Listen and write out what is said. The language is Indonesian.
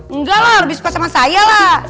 enggak lah lebih suka sama saya lah